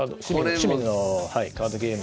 趣味のカードゲームで。